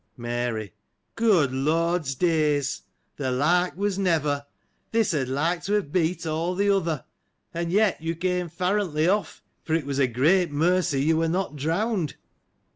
Mary. — Good Lord's days ! The like was never ! This had like to have beat all the other, and yet you came farrantly off," for it was a great mercy you were not drowned.